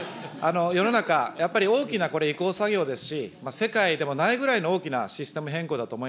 世の中、やっぱり大きなこれ、移行作業ですし、世界でもないぐらいの大きなシステム変更だと思